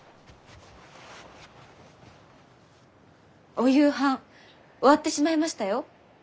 お夕飯終わってしまいましたよ。